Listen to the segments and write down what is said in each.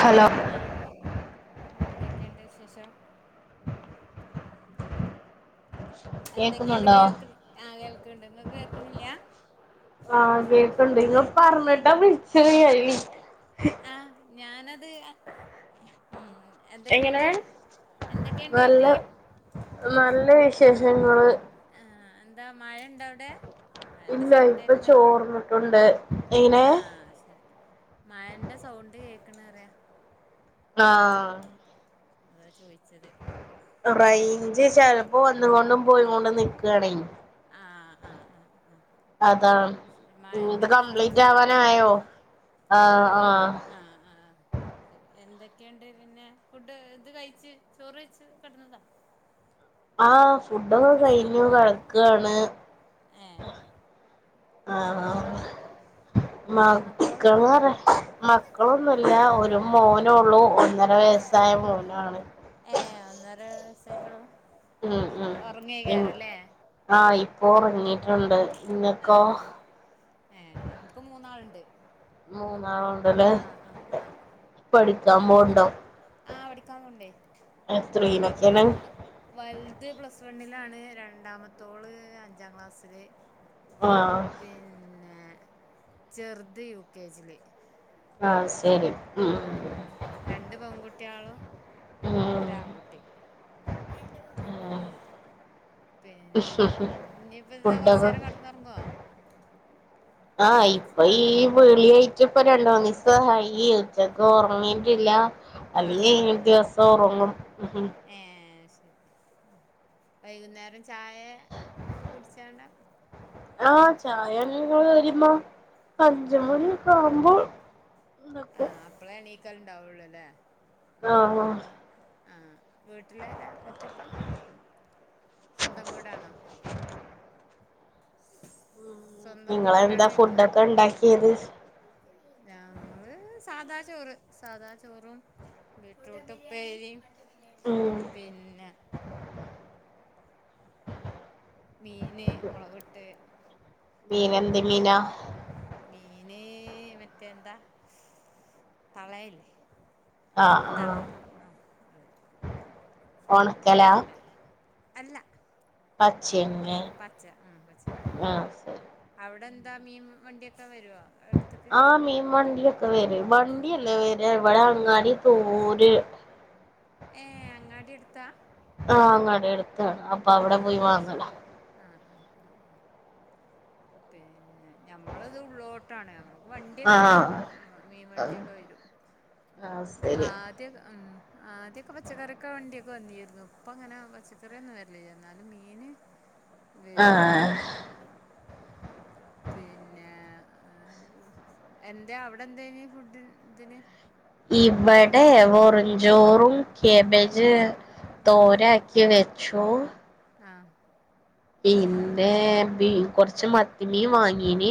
Hello ആഹ് എന്തൊക്കെണ്ട് വിശേഷം എന്തക്കെണ്ട് കേക്കുന്നുണ്ടോ കേൾക്ക്ണ് ആഹ് കേൾക്ക്ണ്ട് ഇങ്ങൾക്ക് കേൾക്ക്ണില്ല ആഹ് കേക്ക്ണ്ട് ഇങ്ങ പറഞ്ഞിട്ടാ വിളിചെയ് ഹേയ് ആഹ് ഞാനത് ഉം എങ്ങനെ എന്തക്കെണ്ട് എന്തക്കെണ്ട് നല്ല കൈക്ക നല്ല വിശേഷങ്ങള് ആഹ് എന്താ മഴണ്ടോ അവടെ ഇല്ല ഇപ്പ ചോർന്നിട്ടുണ്ട് എങ്ങനെ ആഹ് ശരി മഴന്റെ സൗണ്ട് കേൾക്ക് ണ് അറിയ ആഹ് അതാ ചോയ്ച്ചത് റൈഞ്ച് ചെലപ്പോ വന്ന് കൊണ്ടും പോയി കൊണ്ട് നിക്കാണെ ആഹ് ആഹ് ആ ആഹ് അതാ മയന്റെ പ്രശ്നം കൊണ്ടേക്കരതെ ആഹ് ഇൽ ആഹ് ആഹ് ആഹ് ശരി എന്തൊക്കെണ്ട് പിന്നെ ഫുഡ് ഇത് കഴിച്ച് ചോറ് എയ്ച്ച് കെ ടന്നതാ ആഹ് ഫുഡൊക്കെ ഭക്ഷണം കയ്ഞ്ഞു ആഹ് കിടക്കാണ് ഏഹ് ആഹ് മക്കളോ ആഹ് മക്കള് മക്കളൊറ മക്കളൊന്നുല്ല ഒരു മോനൊള്ളൂ ഒന്നര ആഹ് വയസ്സായ മോനാണ് ഏഹ് ഒന്നര വയസായിട്ടൊള്ളു ഉം ഉം ശരി ഉം ഉറങ്ങയ്ക്കാരല്ലേ ആഹ് ഇപ്പോ ഉറങ്ങിട്ടുണ്ട് ഇങ്ങക്കോ ഏയ് എനിക്ക് മൂന്നാളുണ്ട് മൂന്നാൾ ആഹ് ആഹ് ആഹ് പോവ്ണ്ടോ ആഹ് പഠിക്കാൻ പോണ്ടേ എത്റീല വ വൽത് പ്ലസ് വണ്ണിലാണ് രണ്ടാമത്തോള് അഞ്ചാം ക്ലാസ്സില് ആഹ് പിന്നെ ചെറുത് യു കെ ജില് ആഹ് ശരി അ ആഹ് ആഹ് രണ്ട് പെൺകുട്യേളും ഉം ഒരാൺകുട്ടിം പിന്നെ ഇനിപ്പന്താ ഫുഡൊക്കെ കൊറച്ചെരം കെ ടന്നൊറങ്ങോ ആഹ് ഇപ്പ ഈ വിളിയയി പ്പ രണ്ടോന്ന്സായി ച്ചക്ക് ഒറങ്ങീട്ടില്ല്യ ആഹ് അല്ലെങ്ങി ആഹ് ഇങ്ങ ആഹ് ദിവസം ഒറങ്ങും ഉം ഉം ഏഹ് ശരി വൈകുന്നേരം ചായ ഒക്കെ കുടിച്ചാണ്ട ആഹ് ചായ ഇണ്ങ്ങൾ വരുമ്പോ അഞ്ചു മണിയെക്കെ ആവുമ്പോ ആ അപ്പളേണീക്കലുണ്ടാവുള്ളൂ അല്ലേ ആഹ് ആ വീട്ടിലാര ഒറ്റക്ക സ്വന്തം വീടാണോ സ്വന്തം നിങ്ങളെന്താ വീട്ടിലാണോയ്ക്കാ ഫുഡൊക്കെ ഉണ്ടാക്കിയത് നമ്മള് സാധാ ചോറ് സധാ ചോറും ബീറ്റ്റൂട്ടുപ്പേരിം ഉം പിന്നെ മീന് മൊളകിട്ട് മീനനെന്ത് മീന മീന് മറ്റേ എന്താ തളയല്ലേ ആഹ് തള ആഹ് തള ആഹ് അതന്നെ ഒണക്കലാ അല്ല പച്ചേമീന് പച്ച ആ പച്ച ആഹ് ശരി അവിടെന്താ മീൻ വണ്ടിയൊക്കെ വരുവോ ടുത്തു ആ മീൻ വണ്ടിയൊക്കെ വരും ഏ വണ്ടിയല്ലേ വര് എവിടെ അങ്ങാടീത്തൊരു ഏ അങ്ങാടടി അടുത്താ ആഹ് അങ്ങാടി അടുത്താ ആഹ് ശരി ആഹ് ആഹ് ആഹ് ആഹ് പിന്നെ ഞമ്മളത് ഉള്ളോട്ട് ട്ത്താണ് നമ്മക്ക് വണ്ടിയൊക്കെ വരും ആഹ് മീൻവണ്ടിയൊക്കെ വരും ആഹ് ശരി ആഹ് ദ്യക്കെ ഉം ആദ്യൊക്കെ പച്ചക്കറീക്കെ വണ്ടിയൊക്കെ വന്നീരുന്നു ഇപ്പങ്ങനെ പച്ചക്കറിയൊന്നും വരില്ല എന്നാലും മീന് വരും ആഹ് പിന്നെ അങ്ങനെ പോണ് എന്താ അവിടെന്തേന് ഫുഡ് ഇതിന് ഇവിടെ ഭക്ഷണത്തിന് എന്താ വെറുംചോറും ഉം കേബേജ് തോരാക്കി വെച്ചു ആഹ് പിന്നെ കൊറച്ച് മത്തിമീൻ വാങ്ങീന്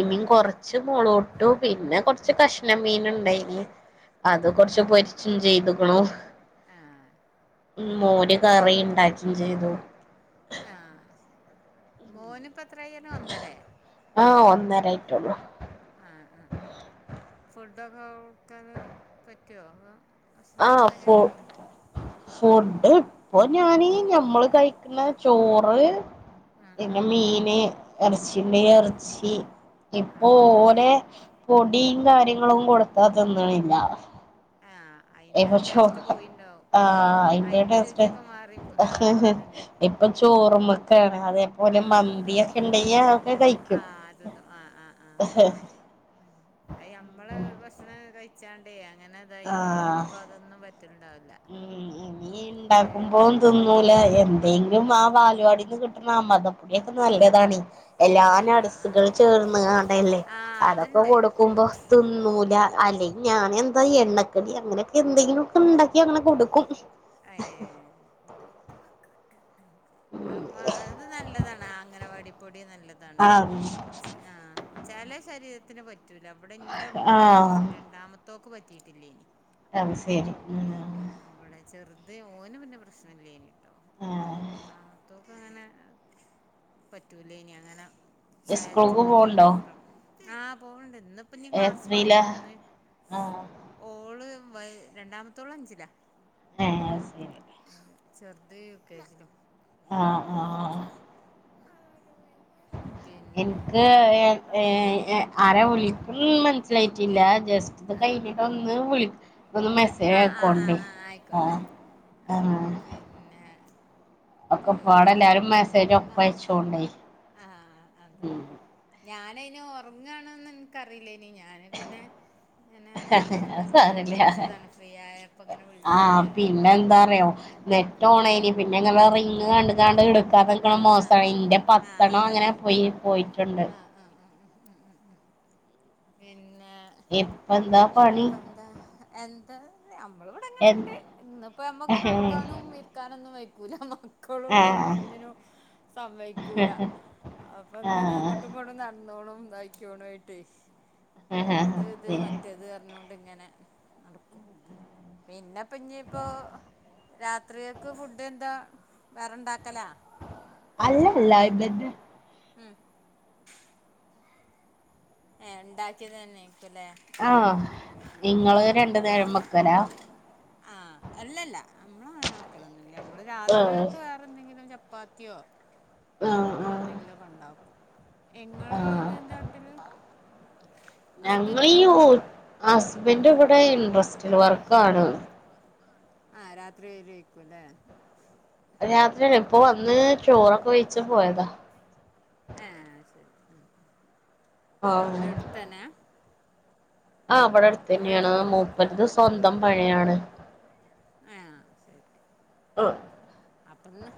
ആഹ് കൊറച്ച് കുറച്ച് മുളോട്ടു പിന്നെ കൊറച്ച് കഷ്ണം മീനിണ്ടായിന് അത് കുറച്ച് പൊരിച്ച് ചെയ്തുക്ക്ണു ആഹ് മോര് കറി ശരി ഇണ്ടാക്കിം ചെയ്തു ആഹ് മോനിപ്പെത്രയായിന്നു പറഞ്ഞെ ഒന്നരയെ ആഹ് ഒന്നരായിട്ടുള്ളു ആഹ് ആഹ് ആഹ് ഫുഡൊക്കെ കൊടുക്കല് പറ്റുവോ അതോ ഭക്ഷണമൊക്കെ ആഹ് എന്തൊക്കെയാ ഫു കൊടുക്കുക ഫുഡ്ഡ് അപ്പൊ ഞാനീ ഞമ്മള് കയിക്കുന്ന ചോറ് ആ ആ പിന്നെ മീന് ഇറച്ചിണ്ടെങ്കിൽ ആ എറച്ചി ആ ഇപ്പൊ ഓലെ പൊടിയും കാര്യങ്ങളും കൊടുത്താ തിന്നണില്ല ആഹ് അതിന്റെ ഇപ്പൊ ചോ ടേസ്റ്റ് പോയിണ്ടാവും ആഹ് അയിന്റെ അതിന്റെ ടേസ്റ്റ് രുചിയൊക്കെ മാറിയിപൊ ആഹ് അത് തന്നെ ഇപ്പൊ ചോറുമൊക്കൊണ് അതേപോലെ ആ മന്തിയൊക്കെ ഉണ്ടെങ്കിൽ അതോക്കെ കഴിക്കും ആഹ് ആഹ് ആഹ് അയി നമ്മള് ഭക്ഷണം കഴിച്ചാണ്ടേ അങ്ങനെ ഇതായിണ്ടോ ആഹ് ഇഞ്ഞിപ്പോ അതൊന്നും പറ്റി പറ്റലുണ്ടാവില്ല ഇനീ മറ്റേ ഇണ്ടാക്കുമ്പോ തിന്നൂല ആ എന്തെ ആഹ് വാലുവാടിക്ക് നിന്ന് കിട്ടുന്ന അമൃതംപ്പൊടിയൊക്കെ നല്ലതാണെ എല്ലാ ആ ആ ആ നടസ്സുകള് ചേർന്ന്ങ്ങാണ്ടല്ലേ ആ അതൊക്കെ അതുണ്ട് കൊടുക്കുമ്പോ ഉം ഉം ഉം തിന്നൂല ഉം അല്ലേ ഞാനെന്താ എണ്ണക്കടി അങ്ങനൊക്കെ എന്തെങ്കിലുവൊക്കെ ഉണ്ടാക്കിയങ്ങനെ കൊടുക്കും ഏഹ് ഉം അഹ് അത് നല്ലതാണ് അങ്ങനവാടി പൊടിയ നല്ലതാ [unintelligible] ആഹ് ആഹ് ചെല ശരീരത്തിന് പറ്റൂല ഇവിടെ ഇന്റെ ആഹ് രണ്ടാമത്തോക്ക് പറ്റിയിട്ടില്ലേനി. അയ് ശരി. ഇവിടെ ചെറുത് ഓന് പിന്നെ പ്രശ്നല്ലേനി ട്ടോ ആഹ് ഒന്നാമത്തോ. അപ്പ അങ്ങനെപറ്റൂലേനി അങ്ങനെ സ്കൂൾക്ക് വയറ്റ്ന്നൊക്കെ. പോവ്ണ്ടോ ആഹ് പോവ്ണ്ട് ഇന്ന്ഇപ്പൊ എത്രയിലാ ക്ലാസ്സില്ലല്ലോന്ന്. ആഹ് ഓള് രണ്ടാമത്തോള അഞ്ചിലാ. ഏ ശെരി ആഹ് ചെറുത് യുകെ ജില്. ആഹ് ആഹ് [unintelligible] മനസിലായിട്ടില്ല ജസ്റ്റ് ഇത് അതന്നെ കഴിഞ്ഞിട്ട് ഒന്ന് വിളി ഒന്ന് മെസേജ് ആഹ് ആഹ് ആഹ് അയകോണ്ടി ആഹ് ആയിക്കോട്ടെ ആഹ് ആ ആഹ് പിന്നെ. പി ഒക്കെ പാടെ എല്ലാരും മെസ്സേജ് ഒപ്പ ആഹ് അയച്ചോണ്ടി. ആഹ് അതല്ലെ ഞാനതിന് ഉറങ്ങാണന്ന് ഇൻക്ക് അറിലേനി ഞാൻ. പിന്നെ അത് അങ്ങനെ വിളിച്ചതാണ് ഫ്രീ ആയപ്പങ്ങനെ വി ആഹ പിന്നെ എന്താറിയോ നെറ്റ് ഓണേനി പിന്നെങ്ങെനെ റെയ് കണ്ട് കാണ്ട് എടുക്കാതക്ക്ണത് ആഹ് ആഹ് മോസയി ആഹ് ഇന്റെ പത്തണം അങ്ങനെ പോയി പോയിട്ടുണ്ട്. ആ ആ പിന്നെ. ഇപ്പൊ എന്താ പണി പിന്നെപ്പ ന്താ എന്താ നമ്മള് എ ഇവിടെങ്ങനെണ്ട്. ഇന്ന്പ്പോ നമ്മക്ക് കടക്കാനും ഇരിക്കാനൊന്നും വെയ്ക്കൂലന്നൊള്ളു. ആ [unintelligible] ഒന്നിനും സമ്മയ്ക്കൂല അപ്പൊ ഇങ്ങനെ ആ അങ്ങോട്ട്. നടന്നോണം ഇതായിക്കോണ ആയിട്ട് അത് ഇത് ആ മറ്റേത്. ഇങ്ങനെ നടക്കും പിന്നെപ്പൊ ഇഞ്ഞിപ്പോ. രാത്രികക്ക് ഫുഡ് എന്താ വേറെ ഇണ്ടാക്കലാ? അല്ല അല്ല ഇതന്നെ. മ് ഏ് ഇണ്ടാക്കിയത് തന്നെക്കുംല്ലേ. ആഹ നിങ്ങള് രണ്ടു നേരം വെക്കലാ. ആഹ അല്ലല്ല നമ്മള അങ്ങനെ വെക്കലൊന്നല്ല നമ്മള് ആഹ് രാത്രിയൊക്കെ. വേറെന്തെങ്കിലും ചപ്പാത്തിയോ. ആ അങ്ങനെ എന്തെങ്കിലും ഒക്കെ ഇണ്ടാകും ഇങ്ങള് ആഹ് എന്താട്ടല് ഞങ്ങളീ ഹസ്ബൻഡിവിടെ ഇൻട്രസ്റ്റിയല് വർക്കാണ്. ആഹ രാത്രി വരേ രുക്കും ല്ലേ. രാത്രിയല്ല ഇപ്പൊ വന്ന് ചോറൊക്കെ വെയിച്ച് പോയതാ. ആ ശരി ആ ആ ആഹ് അവിടെ എടുത്തന്നെ? ആ ഇവിടെ അവിടെ അടു അടുത്തന്നെയാണ് മൂപ്പരത് സ്വന്തം പണിയാണ്. ഏ ശരി ആഹ് അപ്പന്ന്.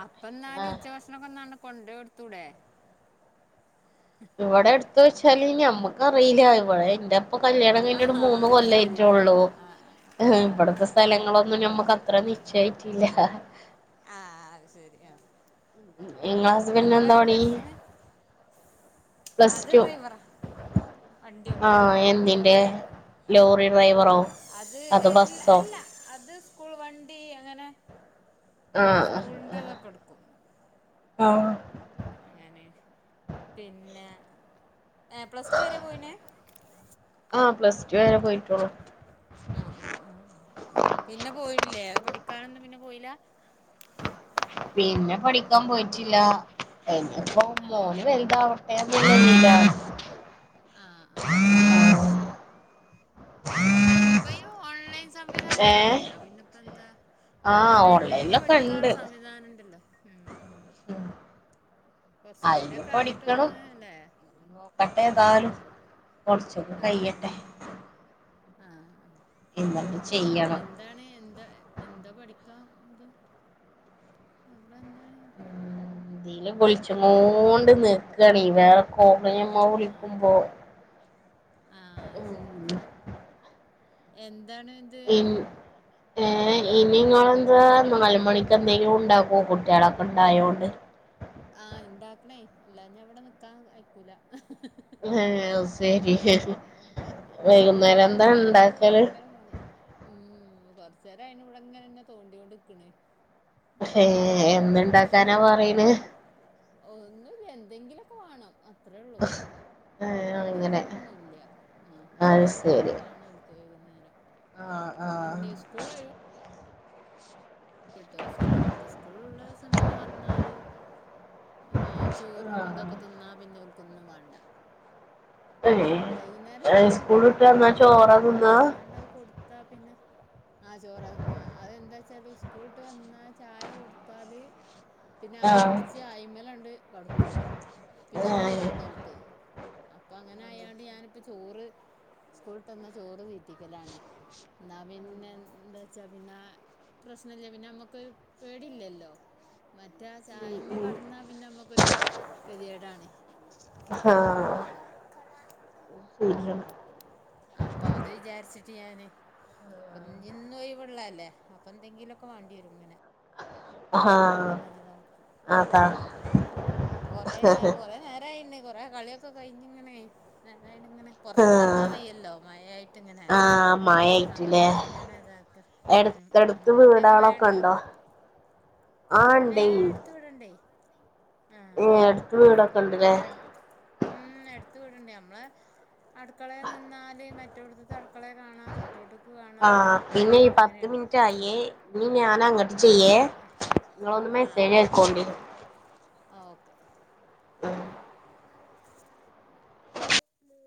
അപ്പന്നാല് ആഹ് ഉച്ചഭക്ഷണൊ കൊന്ന് കൊണ്ട് കൊടുത്തൂടെ. ഇവിടെ എടുത്ത് വെച്ചാല് നമ്മക്കറിയില്ല ഇവിടെ എറെ ഇപ്പൊ കല്യാണം കഴിഞ്ഞിട്ട് മൂന്ന് ആഹ് കൊല്ലായി ശരി ആഹ് റ്റൊള്ളൂ ആഹ് ആഹ് ആഹ് ആഹ് ഇവിടത്തെ ആഹ് സ്ഥലങ്ങളൊന്നും ആഹ് നമ്മക്ക് അത്ര നി ശ്ചയായിട്ടില്ല. ആഹ അയ് ശെരി ആ ഇങ്ങള ഹസ്ബൻഡി ന് എന്താ പണി? പ്ലസ് അത് ടു ഡ്രൈവറാ വണ്ടി ആഹ ഓട്ടണം ആ എന്തിന്റെ? ലോറി ഡ്രൈവറോ? അത് അതോ ബസ്സോ അല്ല അത് സ്കൂൾ വണ്ടി അങ്ങനെ. ആഹ് സ്കൂൾന്റെ ഇതൊക്കെ എടുക്കും. ആഹ അങ്ങനെ പിന്നെ പ്ലസ്ടുവരെ പോയിനെ ആഹ് പ്ലസ്ടുവരെ പോയിക്ണു ആഹ് ആഹ ആഹ് പിന്നെ പോയില്ലേ പഠിക്കാനൊന്നും പിന്നെ പോയില്ലാ പിന്നെ പഠിക്കാൻ പോയിറ്റില്ല എനിപ്പം ആന്നെ മോന് വലുത ഫാമിലുള്ള വീടാ ആഹ് ആഹ് അ ഇപ്പനി ഓൺലൈൻ സംവിധാനക്കെ ഏഹ് ഇണ്ടല്ലോ പിന്നെ ഇപ്പ എന്താ ആഹ് ഓൺലൈനായിട്ട് ഓൺലൈനിലൊക്കെ പഠിക്കാനുള്ള ഉണ്ട് സംവി സംവിധാനണ്ടല്ലോ ഉം കെറച്ച അയിന് പഠിക്കണം കൂടയക്കെയിട്ടൊന്ന് അല്ലേ നോക്കട്ടെ ഉം ഏതാലും ഉം കെറച്ചൊന്ന് ആഹ് കയ്യട്ടെ ആഹ് ആഹ് എന്തങ്കചെയ്യണം എന്താണ് എന്താ എന്താ പഠിക്കാ ഇത് [unintelligible] എന്താണ് ചോദിക്കാ ഈല് വിളിച്ചോണ്ട് നിക്കാണ് വേറെ കോള്യ്മ്മ ആഹ് ആഹ് വിളിക്കുമ്പോ ആഹ് ഉം ശെരി എന്താണ് ഇത് ഇനി ഏഹ് ഇനിങ്ങളെന്തുവാ നാല്മണി അപ്പന്തെങ്കിലും ഇണ്ടാക്കും കുട്ടിയേളൊക്കെ ഇണ്ടായോണ്ട് ആഹ് ഇണ്ടാക്കണേ എല്ലാഞ്ഞ ഇവടെ നിക്കാൻ അയിക്കൂല. ഏഹ് [unintelligible] ആഹ് ഒഴ്വ്ണ്ടായാ പിന്നെ എന്തെങ്കിലൊക്കെ ഇങ്ങനെ വാണ്ടിയരും ഹ്മ്മ് കൊറച്ചേരായിന് ഇബടങ്ങനെ തോണ്ടിയോണ്ട്ക്ക്ണ്. ഞവട്ന്ന് പാട്ടിയേ പറിണ് ഒന്നുല്ല എന്തെങ്കിലൊക്കെ വാണം അത്രൊള്ളൂ. ഏ അങ്ങനെ ഇന്നതനുംല്ല ആഹ അത് എന്തെങ്കിലും ഒന്ന് വാണം ഓൽക്ക് വൈകുന്നേരം ആഹ് ണ്ട്, സ്കൂളൊഴിവ് ണ്ട് ട്ടോ. പക്ഷെ [unintelligible] സ്കൂള് ഇള്ള ദിവസം പിന്നെ വന്നാല് പിന്നെ ചോറും ഇതൊക്കെ തിന്നാ പിന്നെ ഓൽക്കൊന്നും വാണ്ട. പിന്നെ വൈകുന്നേരം ഏ ചായ സ്കൂൾ വിട്ട് ഇണ്ടാക്കിട്ടും വന്നാ കാര്യല്ല ചോറാ തിന്നാ ഇണ്ടാക്കിയാണ്ട് അത് കൊടുത്താ പിന്നെ ആഹ് ചോറാ തിന്നാ അതെന്താച്ചാല് സ്കൂള്ട്ട് വന്നാ ചായ കൊടുത്താല് പിന്നെ ആ അത് കുടിച്ച അയിമലാണ്ട് കടക്കും. പിന്നെ ഒന്നും ഏ വാണ്ട ഓൽക്ക് അപ്പം അങ്ങനായാണ്ട് ഞാനിപ്പ ചോറ് സ്കൂള്ട്ടന്നാ ചോറ് തീറ്റിക്കലാണ്. ഇന്നാ പിന്നെ എന്താച്ചാ പിന്നെ പ്രശ്നല്ല പിന്നെ നമ്മക്കൊര് പേടില്ലല്ലോ മറ്റേ ആ ചായമെ കടന്നാ പിന്നെ നമ്മക്കൊരു കെതിയേടാണ്. ആഹ് ആറ് കളർ ഇൻ [inaudible] അപ്പ അത് വിചാരിച്ചിട്ട് ഞാന് അപ്പ ഇഞ്ഞ് ഇന്ന് ഒഴിവ്ള്ളല്ലേ അപ്പ എന്തെങ്കിലൊക്കെ വാണ്ടിയരും ഇങ്ങനെ ആഹ്. [unintelligible] ങ്ങനെ ഇതാക്കും, അതാ ഇപ്പൊ കൊറേ അ കൊറെ നേരായിണ് കൊറെ കളിയൊക്കെ ഇപ്പൊ കഴിഞ്ഞിങ്ങനെ നേരായോണ്ട്ങ്ങനെ പൊർത്ത്ക്കെറങ്ങാൻ ആഹ് വയ്യല്ലോ മഴായായിട്ടിങ്ങനെ ആഹ് മഴയായിട്ടില്ലേ അകത്ത് ഇങ്ങനെ ഇതാക്ക ഹ്മ്മ് ഹ്മ്മ് എടുത്തടുത്ത് അവിടെക്കെ വീടാളൊക്കെ മഴണ്ടോ [inaudible] ഉണ്ടോ ആഹ് ഇണ്ടെയ് [unintelligible] ഏഹ് അട്ത്ത് വീടൊക്കെണ്ട് ലേ ഹ്മ്മ് അട്ത്ത് വീട്ണ്ട് നമ്മളെ അടുക്കളെ നിന്നാല് മറ്റോട്ത്ത്ത്തെ അടുക്കളെ കാണാ സി റ്റോട്ട്ക്ക് കാ ആഹ് പിന്നെ ഈ പത്ത് മിൻറ്റായേ ഇനി ഞാനങ്ങട്ട് ആഹ് ചെയ്യേ ആഹ് ആഹ് ഇങ്ങളൊന്നു ആഹ് ആഹ് മെസ്സേജയക്കോണ്ടി. ആഹ് ഓക്കെ. [inaudible] [inaudible]